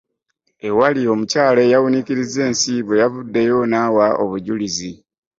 Ewali omukyala eyawuniikiriza ensi bwe yavuddeyo nawa obujulizi.